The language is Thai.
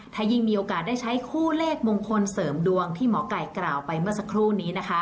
ถ้ายิ่งมีโอกาสได้ใช้คู่เลขมงคลเสริมดวงที่หมอไก่กล่าวไปเมื่อสักครู่นี้นะคะ